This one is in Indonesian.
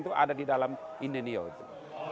itu ada di dalam inenio itu